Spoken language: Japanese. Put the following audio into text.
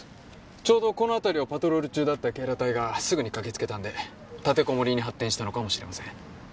ちょうどこの辺りをパトロール中だった警ら隊がすぐに駆けつけたんでたてこもりに発展したのかもしれません。